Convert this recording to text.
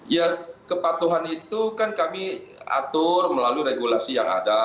ya kepatuhan itu kan kami atur melalui regulasi yang ada